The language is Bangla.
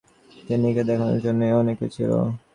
তিন্নিকে দেখাশোনার জন্যে অনেকেই ছিল।